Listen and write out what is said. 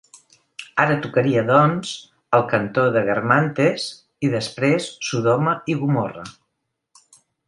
Ara tocaria, doncs, ‘El cantó de Guermantes’ i després ‘Sodoma i Gomorra’.